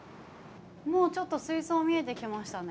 もうちょっと水槽見えてきましたね。